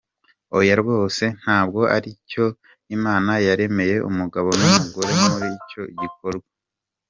Oya rwose, ntabwo aricyo Imana yaremeye umugabo n’umugore muri icyo gikorwa.